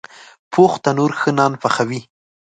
پوخ تنور ښه نان پخوي